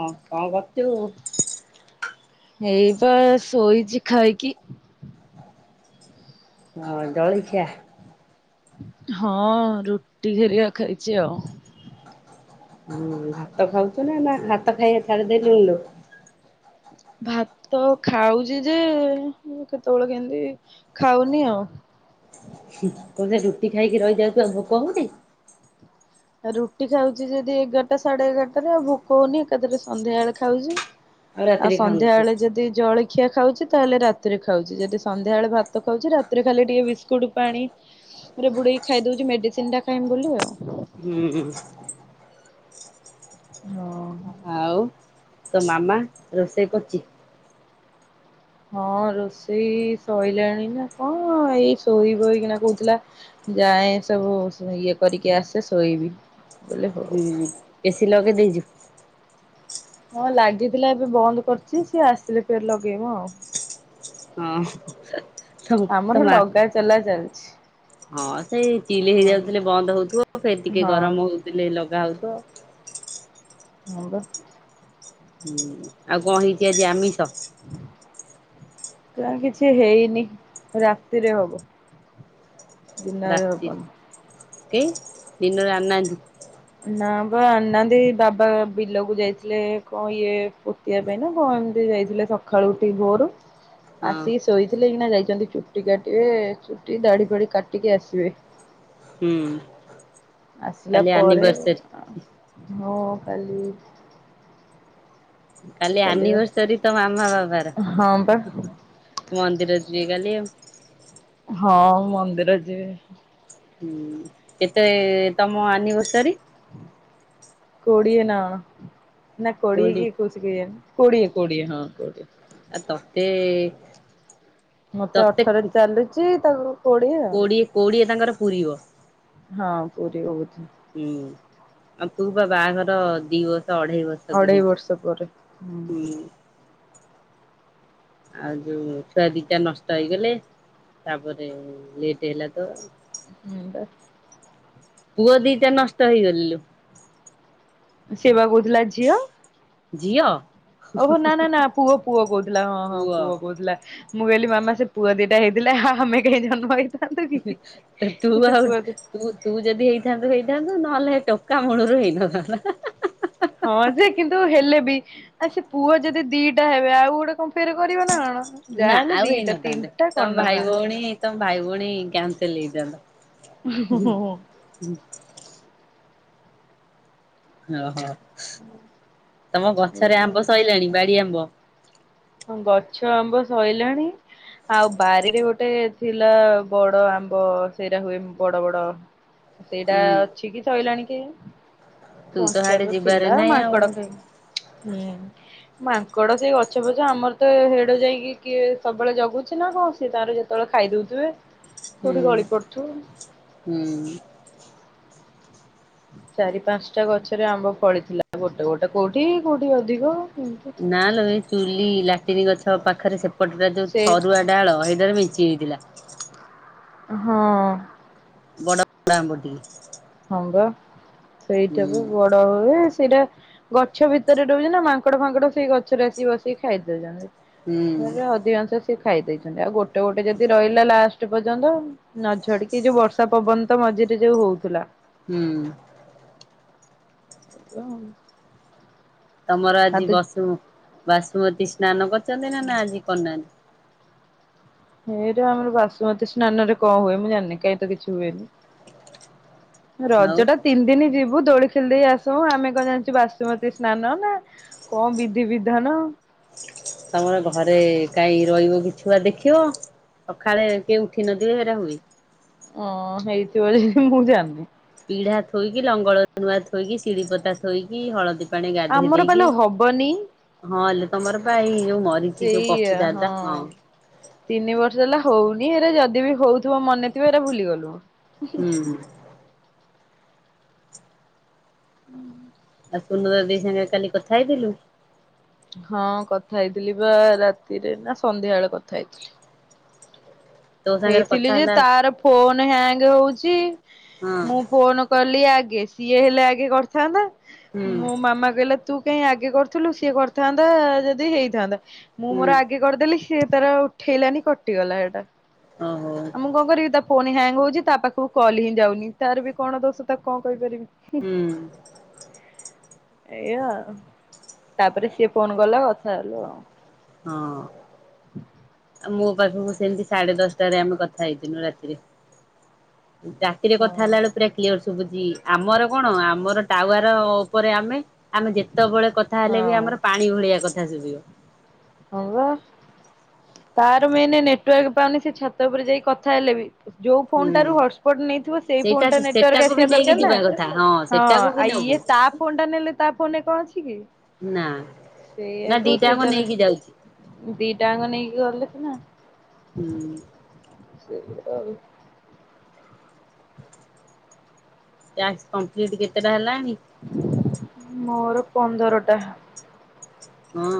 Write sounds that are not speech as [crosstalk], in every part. ହଁ କଁ କଚୁ? ହେଇ ପା ଶୋଇଚି ଖାଇକି। ହଁ ଜଳିଖିଆ। ହଁ ରୁଟି ଘେରିକା ଖାଇଚି ଆଉ ହୁଁ ଭାତ ଖାଉଚୁ ନା ନା ଭାତ ଖାଇବା ଛାଡ଼ିଦେଲୁଣୁ ଲୋ? ଭାତ ଖାଉଚି ଯେ କେତେବେଳେ କେମିତି ଖାଉନି ଆଉ। ତମେ ରୁଟି ଖାଇକି ରହିଯାଉଚ ଭୋକ ହଉନି? ଆଉ ରୁଟି ଖାଉଛି ଯଦି ଏଗାରଟା ସାଢେ ଏଗାରଟାରେ ଆଉ ଭୋକ ହଉନି ଏକାଥରେ ସନ୍ଧ୍ୟା ବେଳେ ଖାଉଚି। ଆଉ ରାତିରେ ଖାଉନୁ ତୁ ସନ୍ଧ୍ୟାବେଳେ ଯଦି ଜଳି ଖିଆ ଖାଉଚି ତାହେଲେ ରାତିରେ ଖାଉଚି ଯଦି ସନ୍ଧ୍ୟାବେଳେ ଭାତ ଖାଉଛି ରାତିରେ ଖାଲି ଟିକେ ବିସ୍କୁଟ୍ ପାଣି ରେ ବୁଡ଼େଇକି ଖାଇ ଦେଉଚି ମେଡ଼ିସିନଟା ଖାଇମି ବୋଲି ଆଉ। ହୁଁ ଉଁ। ମ ଆଉ ତୋ ମାମା ରୋଷେଇ କରୁଚି? ହଁ ରୋଷେଇ ଶଇଲାଣି ନା କଣ ଏଇ ଶୋଇବ ଏଇକିଣା କହୁଥିଲା ଯାଏଁ ସବୁ ଇଏ କରିକି ଆସେ ଶୋଇବି। ବୋଇଲେ ହଉ ହୁଁ ଏସି ଲ ଗେ ଦେଇଚୁ ହଁ ଲାଗିଥିଲା ଏବେ ବନ୍ଦ କରଚି ସିଏ ଆସିଲେ ଫେରେ ଲଗେଇବ ଆଉ। ହଁ ତ ଆମର ତମ ଲଗା ଚଲା ଚାଲିଛି। ହଁ ସେଇ ଚିଲ ହଁ ହେଇଯାଉଥିଲେ ବନ୍ଦ ହଉଥୁବ ଫେର୍ ଟିକେ ହଁ ଗରମ୍ ହଉଥିଲେ ଲଗା ହଉଥୁବ। ହଁ ପା। ହୁଁ ଆଉ କଣ ହେଇଛି ଆଜି ଆମିଷ? [inaudible] ନାଁ କିଛି ହେଇନି ରାତିରେ ହବ। ଦିନରେ ହବନି। କି ଦିନରେ ଆଣିନାତି? ନା ବା ଆନାହାନ୍ତି ବାବା ବିଲକୁ ଯାଇଥିଲେ କଣ ଇଏ ପୋତିିବା ପାଇଁ ନା କଣ ଏମିତି ଯାଇଥିଲେ ସକାଳୁ ଉଠିକି ଭୋରୁ ହଁ ଆସିକି ଶୋଇଥିଲେ ଏଇନା ଯାଇଚନ୍ତି ଚୁଟି କାଟିବେ ଚୁଟି ଦାଢି ଫାଢି କାଟିକି ଆସିବେ। ହୁଁ। ଆସିଲା କାଲି ପରେ ଆନିଭର୍ସରୀ ହଁ। କାଲି କାଲି ଆନିଭର୍ସରୀ ତ ମାମା ବାବାର ହଁ ବା ମନ୍ଦିର ଯିବେ କାଲି। ହଁ ମନ୍ଦିର ଯିବେ। ହୁଁ କେତେ ତମ ଆନିଭର୍ସରୀ? କୋଡ଼ିଏ ନା କଣ? ନା କୋଡ଼ିଏ କୋଡି କି ଏକୋଉଶି କେଇଆଣି। କୋଡ଼ିଏ କୋଡ଼ିଏ ହଁ କୋଡ଼ିଏ। ଆଉ ତତେ ମତେ ଅଠର ଚାଲୁଚି [unintelligible] କୋଡ଼ିଏ କୋଡ଼ିଏ ତାଙ୍କର ପୁରିବ। ହଁ ପୁରୀବ ବୋଧେ ହୁଁ ଆଉ ତୁ ବା ବାହାଘର ଦିଇ ବ ଅଢେଇ ବର୍ଷ ପରେ ହୁଁ। ଆଉ ଯୋଉ ଛୁଆ ଦିଇ ଟା ନଷ୍ଟ ହେଇଗଲେ ତାପରେ ଲେଟ ହେଲା ତୋର ହୁଁ ପା ପୁଅ ଦିଇଟା ନଷ୍ଟ ହେଇଗଲେଲ ସେବା କୋହୁ ଥିଲା ଝିଅ ଝିଅ ଓହୋ ନା ନା ନା ପୁଅ ପୁଅ କହୁଥିଲା ହଁ ହଁ ପୁଅ କହୁଥିଲା। ମୁଁ କହିଲି ମାମା ସେ ପୁଅ ଦିଇଟା ହେଇଥିଲା ଆମେ କାହିଁ ଜନ୍ମ ହେଇ ତୁ ତୁ ଆଉ ତୁ ଯଦି ହେଇଥାନ୍ତୁ ହେଇଥାନ୍ତୁ ନହେଲେ ଟୋ କା ମୁଳୁରୁ ହେଇନଥାନ୍ତା ଆଉ ସେ ପୁଅ ଯଦି ଦିଟା ହେବେ ଆଉ ଗୋଟେ କଣ ଫେରେ କରିବ ନା କଣ? ନା ଯାହାହେଲେ ଆଉ ଦିଟା ହେଇନଥାନ୍ତେ ତିନିଟା ତମ ଭାଇ କରିନଥାନ୍ତା। ଭଉଣୀ ତମ ଭାଇ ଭଉଣୀ କା ଜତା [unintelligible] ଓ ହୋ। ତମ ଗଛରେ ଆମ୍ବ ସରଲାଣି ବାଡି ଆମ୍ବ ହ ଗଛ ଆମ୍ବ ସୋଇଲାଣି ଆଉ ବାରିରେ ଗୋଟେ ଥିଲା ବଡ ଆମ୍ବ ସେଇଟା ହୁଏ ବଡ ବଡ ସେଇଟା ହୁଁ ଅଛି କି ସରଲାାଣି କି ତୁ କଞ୍ଚା ହାଡେ ତ ଯିବାରେ ଥିଲା ନାହିଁ ଆଉ ମାଙ୍କଡ ଖାଇ ହୁଁ ହୁଁ। ମାଙ୍କଡ ସେଇ ଅଛି। ଛ ପଛ ଆମର ତ ହେଡ଼ ଯାଇକି କିଏ ସବୁବେଳେ ଜଗୁଛି ନ କଣ ସିଏ ତାର ଯେତେବେଳେ ଖାଇ ଦେଉଥିବେ। କୋଉଠି ଗଳି ପଡୁଛୁ ହୁଁ। ଚାରି ପାଞ୍ଚଟା ଗଛରେ ଆମ୍ବ ଫଳିଥିଲା ଗୋଟେ ଗୋଟେ କୋଉଠି କୋଉଠି ଅଧିକ ଏମିତି। ନା ଲୋ ଚୁଲି ଲାଟିନି ଗଛ ପାଖରେ ସେ ସେପଟେଟା ଯୋଉ ସେ ସରୁଆ ଡାଳ ସେଇଟାରେ ମିଞ୍ଚି ହେଇଥିଲା। ହଁ। ବଡ ବ ଆମ୍ବ ଟିଏ ହବା ସେଇଟା ବି ବଡ ହୁଏ। ସେଇଟା ଗଛ ଭିତରେ ରହୁଛି ନା ମାଙ୍କଡ ଫାଙ୍କଡ ସେଇ ଗଛରେ ଆସି ବସିକି ଖାଇଦଉଛନ୍ତି। ହୁଁ ଏ ଅଧଂସ ଶ ଖାଇ ଦେଇେଇଛନ୍ତି ଆଉ ଗୋଟେ ଗୋଟେ ଯଦି ରହିଲା ଲାଷ୍ଟ ପର୍ଯ୍ୟନ୍ତ ନଝଡିକି ଯୋଉ ବର୍ଷା ପବନ ତ ମଝିରେ ଯୋଉ ହଉଥିଲା। ହୁଁ। ହଁ। ତମର ଆଜି ବସୁ ବାସୁମତୀ ସ୍ନାନ କର୍ ଚନ୍ତି ନା ନା ଆଜି କରିନାହାନ୍ତି? ଏଇଠି ଆମର ବାସୁମତୀ ସ୍ନାନରେ କଁ ହୁଏ ମୁଁ ଜାଣିନି କାଇଁ ତ କିଛି ହୁଏନି। ଆଉ? ରଜଟା ତିନ୍ ଦିନ୍ ଯି [unintelligible] ଦୋଳି ଖେଲି ଦେଇ ଆସଉଁ ଆମେ କଣ ଜାଣିଛୁ ବାସୁମତୀ ସ୍ନାନ ନା କଣ ବିଧି ବିଧାନ। ତମର ଘରେ କାଇଁ ରହିବ କି ଛୁଆ ଦେଖିବ। ସଖାଳେ କିଏ ଉଠି ନଥିବେ ସେଗେରା ହୁଏ। ହଁ ହେଇଥିବା ଯେ ମୁଁ ଜାଣିନି। ପିଢା ଥୋଇକି ଲଙ୍ଗଳ ନୂଆ ଥୋଇକି ସିଳି ପତା ଥୋଇକି ହଳଦୀ ପାଣି ଗାଧେଇ ଆମର ଦେଇକି। ପାଲୋ ହବନି ହଁ ଲୋ ତମର ବା ଏଇ ଯୋଉ ମରିଚି ଯୋଉ ପପୁ ଦାଦା ହଁ। ନି ସେରା ଯଦି ବି ହଉଥିବ ମନେଥିବ ଏରା ଭୁଲିଗଲୁ ହୁଁ। [inaudible] ସୁନ୍ଦରା ଦେଇ ସାଙ୍ଗେ କାଲି କଥା ହେଇଥିଲୁ? ହଁ କଥା ହେଇଥିଲି ବା ରାତିରେ ନା ସନ୍ଧ୍ୟାବେଳେ କଥା ହେଇଥିଲି। ତୋ ସାଙ୍ଗରେ ହେଇଥିଲି କଥା ଯେ ହେଲା ତାର ଫୋନ ହ୍ୟାଙ୍ଗ ହଉ ଚି। ହଁ ମୁଁ ଫୋନ କଲି ଆ କିଏ ସିଏ ହେଲେ ଆଗେ କରିଥାନ୍ତା। ହୁଁ। ମୋ ମାମା କହିଲା ତୁ କାଇଁ ଆଗେ କରୁଥିଲୁ ସିଏ କରିଥାନ୍ତା ଯଦି ହେଇଥାନ୍ତା। ମୁଁ ହୁଁ ମୋର ଆଗେ କରିଦେଲି। ସେ ତାର ଉଠେଇଲାନି କଟିଗଲା ସେଇଟା। ଓହୋ ଆ ମୁଁ କଣ କରିବି ତା ଫୋନ ହ୍ୟାଙ୍ଗ ହଉଛି ତା ପାଖକୁ କଲ ହିଁ ଯାଉନି ତାର ବି କଣ ଦୋଷ ତାକୁ କଣ କହିପାରିବି। ହୁଁ। ଏଇୟା ଆଉ ତାପରେ ସିଏ ଫୋନ କଲା କଥା ହେଲୁ ଆଉ। ହଁ। ଆ ମୋ ପାଖକୁ ସେମିତି ସାଢେ ଦଶଟାରେ ଆମେ କଥା ହେଇଥିନୁ ରାତିରେ। ରାତିରେ ହଁ କଥା ହେଲା ବେଳେ ପୁରା କ୍ଲିଅର ଶୁ ଶୁଭୁଛି ଆମର କଣ ଆମର ଟାୱାର ଉପରେ ଆମେ ଆମେ ଯେତେବେଳେ କଥା ହଁ ହେଲେ ବି ଆମର ପାଣି ଭଳିଆ କ ଥା ଶୁବିବ। ହଁ ବା ତାର ମେନ ନେଟୱାର୍କ ପାଉନି ସେ ଛାତ ଉପରେ ଯାଇ କଥା ହେଲେ ବି ଯୋଉ ହୁଁ। ଫୋନଟାରୁ ହଟସ୍ପଟ ନେଇଥିବ ସେଇ ସେଇଟା ଫୋନଟା ନେଟୱାର୍କ ସେଟାକୁ ବି ଆସିଆ ନେଇକି ଦରକାର ନା। ଯିବା କଥା ହଁ ସେଟାକୁ ବି ଆ ନବୁ ଇଏ ତା ଫୋନ ଟା ନେଲେ ତା ଫୋନରେ କଣ ଅଛି କି? ନା। ନା ସେଇଆାକୁ ସେ ଦିଟାଙ୍କ ତାର ନେଇକି ଯାଉଛି ଦିଟାଙ୍କ ନେଇକି ଗଲେ। [unintelligible] ହୁଁ। ସେୟା ଆଉ। ଟାସ୍କ କଂପ୍ଲିଟ୍ କେତେଟା ହେଲା? ମୋର। ପନ୍ଦରଟା। ହଁ।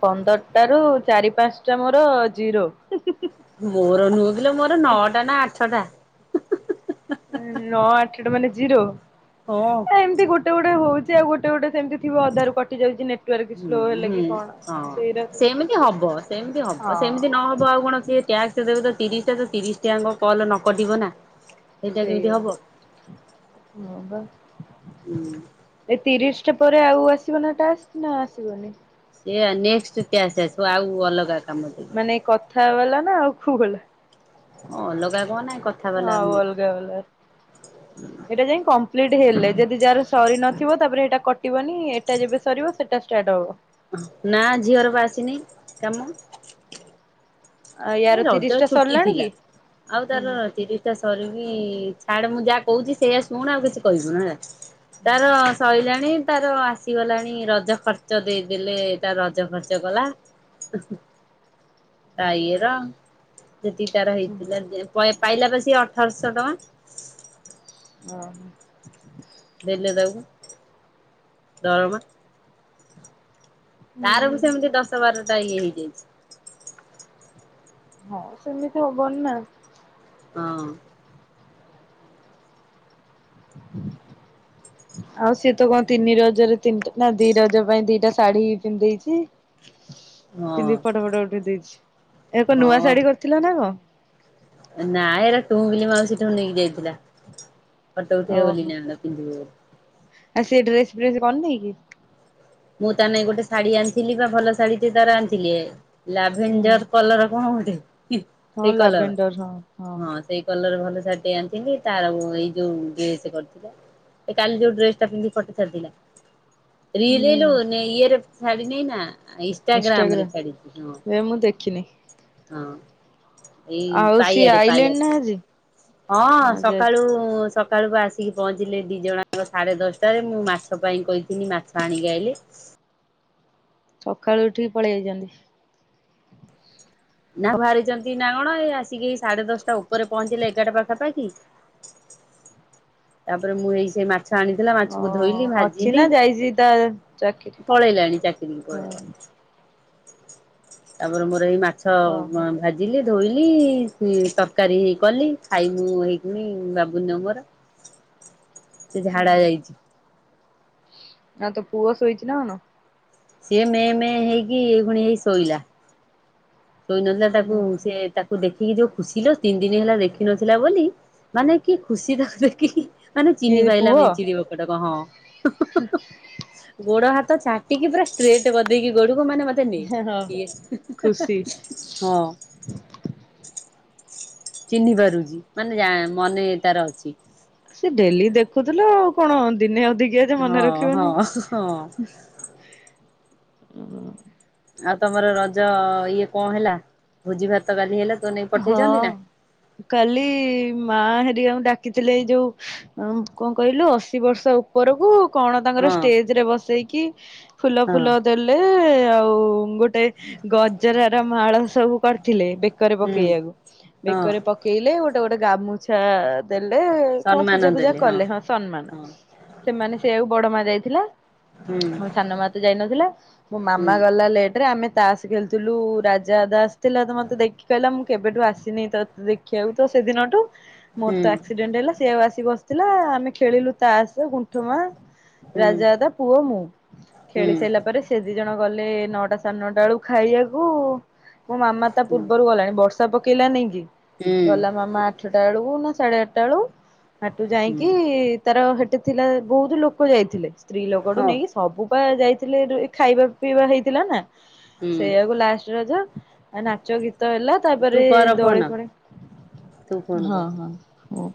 ପନ୍ଦରଟ ରୁ ଚାରି ପାଞ୍ଚଟା ମୋର ଜିରୋ। ମୋର ନୁହଁ କିଲୋ ମୋର ନଅଟା ନା ଆଠଟା ସେଟା ମାନେ ଜିରୋ। ହଁ। ଏମତି ଗୋଟେ ଗୋଟେ ହଉ ଗୋଟ ଗୋଟେ ସେମତି ହୁଁ ହୁଁ କି କଣ। ହଁ ସେଇରାକୁ ସେମିତି ହବ ସେମିତି ହବ ସେମିତି ହଁ। ନହବ ଆଉ କଣ ସିଏ ଟ୍ୟାସ ଦେବୁ ତ ତିରିଶ ଟା ତ ତିରିଶ ଟା କଲ ନକଟିବ ନା। ସେଇଟା ସେଇ କେମିତି ହବ ହୁଁ ହ ବା ଏ ତିରିଶ ୟା ପରେ ଆଉ ଆସିବ ନା ଟାସ୍କ ନା ଆସିବନି? ଏଆ ନେକ୍ସଟ ଟ୍ୟାସ୍ ଆସିବ ଆଉ ଅଲଗା। କାମ ଦେବେ। ମାନେ କଥା ବାଲା ନା ଆଉ କୋଉ ଵାଲା। ହଁ ଅଲଗା କଣ ନାଇଁ କଥା ବାଲା ଆଉ ଆଲଗା ୱାଲା ଏଟା ଯାଇ କମ୍ପ୍ଲି ହେଲେ ଯଦି ଯାର ସରି ନଥିବ ତାପରେ ହେଟା କ ବନି ଏଟା ଯେବେ ସରିବ ସେଟା [unintelligible] ନା ଝିଅର ବା ଆସିନି କାମ। ଆଉ ଏ ୟାର ତିରିଶ ରଜ ଟା ଛୁଟି ସରିଲାଣି ଥିଲା କି? ଆଉ ହୁଁ ତାର ତିରିଶିଟା ସର ଛାଡ ମୁଁ ଯାହା କହୁଛି। ସେଇଆ ଶୁଣ ଆଉ କିଛି କହିବୁନି ହେଲା? ତାର ସରିଲାଣି ତାର ଆସିଗଲାଣି ରଜଖର୍ଚ୍ଚ ଦେଇଦେଲେ ତାର ରଜଖର୍ଚ୍ଚ କଲା। [unintelligible] [inaudible] ସେଠି ତାର ହୁଁ ହେଇଥିଲା। [unintelligible] ପାଇଲା ପା ସିଏ ଅଠରଶହ ଟଙ୍କା। ଓ ହୋ। ଦେଲେ ତାକୁ ଦରମା। ତାର ବି ହୁଁ। ସେମିତି ଦଶ ବାର ଏଇ ହେଇଯାଇଛି। ହଁ ସେମିତି ହବନି ନା ହଁ। ଆଉ ସିଏ ତ କଣ ତିନି ରଜରେ ତିନିଟା ନା ଦି ରଜ ପାଇଁ ଦିଟା ଶାଢୀ ପିନ୍ଧେଇଛି। ହଁ ପିନ୍ଧି ଫଟୋ ଫଟ ଉଠେଇ ଦେଇଛି। ଏକ ଏକ ନୂଆ ଶାଢୀ କରିଥିଲ ନା କଣ? ନା ଏରା ଟୁଙ୍କିଲି ମାଉସିଠୁ ନେଇକି ଯାଇଥିଲା। ଫଟୋ ଉଠେଇବା ବୋଲି ନା କଣ ପିନ୍ଧିବ ବୋଲି। ଆଉ ସେ ଡ୍ରେସ ଫ୍ରେସ କରି ନେଇକି? ମୁଁ ତା ନାଇଁ ଗୋଟେ ଶାଢୀ ଆଣିଥିଲି ବା ଭଲ ଶାଢୀ ଟ ତାର ଆଣିଥିଲି ହୁଁ ଲାଭେଞଜର କଲର କଣ ଗୋଟେ ହଁ ସେଇ କଲର ଲାଭେଣ୍ଡର ହଁ ହଁ ସେଇ କଲର ଭଲ। ଆଣିଥିଲି ତାର ଏଇ ଯୋଉ ଡ୍ରେସ କରିଥିଲା କାଲି ଯୋଉ ଡ୍ରେସ ଟା ପିନ୍ଧି ଫଟୋ ଛାଡ଼ିଥିଲା ଲିଲୁ ନେ ଇଏରେ ଶାଢ଼ୀ ନେଇନା? ଇନ୍ଷ୍ଟାଗ୍ରାମ ଏଇ ମୁ ଦେଖିନୀ ହଁ। ଏଇ ଆଉ ସିଏ ପାଇଆରେ ଆଇଲେଣି ନା ପାଇଆରେ ଆଜି? ହଁ ସକାଳୁ ମୁଁ ସକାଳୁକୁ ଆସିକି ପହଞ୍ଚିଲି ଦି ଜଣଙ୍କ ସାଢେ ଦଶଟାରେ ମୁଁ ମାଛ ପାଇଁ କହିଥିଲି ମାଛ ଆଣିକି ଆଇଲି ସକାଳୁ ଉଠିକି ପଳେଇ ଯାଇଛନ୍ତି। ନା ବାହାରିଛନ୍ତି ନାକଣ ଏ ଆସିକି ସାଢେ ଦଶଟା ଉପରେ ପହଞ୍ଚିଲେ ଏଗାରଟା ପାଖାପାଖି ତାପରେ ମୁଁ ହେଇ ସେ ମା ମାଛ ଆଣିଥିଲା ଓ ମାଛକୁ ଧୋଇଲି ଅଛି ଭାଜିଲି ନା ଯାଇଛି ତା ଚାକିରି ପଳେଇଲାଣି ଚାକିରି ହଁ ପଳେଇଲାଣି ତାପରେ ମୋର ଏଇ ମାଟି ଓହୋ। ମାଛ ଭାଜିଲେ ଧୋଇଲି ସେ ତରକାରୀ ହେଇ କଲି ଖାଇ ମୁୁ ହେଇକଣି ବାବୁନ ମୋର ସେ ଝାଡା ଯାଇଛି। ନା ତ ପୁଅ ଶୋଇଛି ନା ନା ସିଏ ମେ ମେ ହେଇକି ଏଇଭୁଣି ହେଇ ଶୋଇଲା। ଶୋଇନଥିଲା ତାକୁ ହୁଁ ସେ ତାକୁ ଦେଖ ସେ ଯୋଉ ଖୁସି ଲ ତିନି ଦିନ ହେଲା ଦେଖିନଥିଲା ବୋଲି ମାନେ କିଏ ଖୁସି କୁ ଦେଖି ମାନେ ଚିନି କିଏ ପାଇଲା ପୁଅ ମିଚିଡି ପକଟ କ ହଁ ଗୋଡ ହାତ ତ ଚାଟିକି ପୁରା ଷ୍ଟେଟ କରିଦେଇଛି ପୁରା ଗୋଡୋକୁ ମାନେ ମତେ ନ ହଁ। କିଏ [inaudible] ଚିହ୍ନି ପାରୁଛି ମାନେ ଯା ମନେ ତାର ଅଛି। ସେ ଡେଲି ଦେଖୁଥିଲା ଆଉ କଣ ଦିନେ ଅ ଟିକେ ଯେ ହଁ ମନେ ହଁ ରଖିବନି। ହଁ ହ। ଆଉ ତମର ରଜ ଇଏ କଣ ହେଲା ଭୋଜି ଭାତ କାଲି ହେଲା। ତୋ ନେଇକି ହଁ ପଠେଇଛନ୍ତି ନା କାଲି ମା ହେରି ଆଉ ଡାକିଥିଲେ ଏଇ ଯୋଉ କଣ କହିଲୁ ଅଶୀ ବର୍ଷ ଉପରକୁ ଡା କଣ ତାଙ୍କର ହଁ ଷ୍ଟେଜ ରେ ବସେଇକି ଫୁଲ ହଁ ଫୁଲ ଦେଲେ ଆଉ ଗୋଟେ ଗଜରାର ମାଳ ସବୁ କରିଥିଲେ ବେକରେ ହୁଁ ପକେଇବାକୁ ହଁ। ବେକରେ ପକେଇଲେ ଗୋଟେ ଗୋଟେ ଗାମୁଛା ଦେଲେ କଣ ସମ୍ମାନ ପୂଜା ପୂଜା ଦେଲେ କଲେ ହଁ ସମ୍ମାନ ହଁ ସେମାନେ ସେ ଆଉ ବଡ ମା ଯାଇ ଥିଲା। ହୁଁ ହଁ ସାନ ମା ତ ଯାଇନଥିଲା ମୋ ହୁଁ ମାମା ଗଲା ଲେଟରେ ଆମେ ଦାସ ଖେଲଥିଲୁ ରାଜା ଦାସ ଥିଲା ତ ମତେ ଦେଖି କହିଲା ମୁଁ କେବେଠୁ ଆସିନି ତ ଦେଖିବାକୁ ତ ସେଦିନଠୁ। ମୋର ହୁଁ ତ ଆକ୍ସିଡେଣ୍ଟ ହେଲା ସେଆଉ ଆସିବ ଥିଲା ଆମେ ଖେଳିଲୁ ତାସ, ଗୁଣ୍ଠୁମା। ହୁଁ। ରାଜା ଦାଦା, ପୁଅ ମୁଁ ହୁଁ ଖେଳି ସାରିଲା ପରେ ସେ ଦି ଜଣ ଗଲେ ନଅଟା ସାଢେ ନଅଟା ବେଳକୁ ଖାଇବାକୁ ମୋ ମାମା ତା ହୁଁ ପୂର୍ବ ରୁ ଗଲାଣି ବର୍ଷା ପକେଇଲା ନେଇଇକି ହୁଁ ଗଲା ମାମା ଆଠଟା ବେଳକୁ ସାଢ଼େ ଆଠଟା ବେଳକୁ। ହାଟୁ ହୁଁ ଯାଇକି ତାର ସେଠି। ଥିଲା ବହୁତ ଲୋକ ଯାଇଥିଲେ। ସ୍ତ୍ରୀ ଲୋକଠୁ ହଉ ନେଇକି ସବୁ ଯାଇଥିଲେ ଖାଇବା ପିଇବା ହେଇଥିଲା ନା। ହୁଁ ସେଇଆକୁ ଲାଷ୍ଟ ରଜ ନାଚ ଗୀତ ତ ହେଲା ତାପରେ ତୁ କର ଦୋଳି ଫୋନ ପୋଳି ତୁ ଫୋନ ହଁ କର। ହଁ ହ।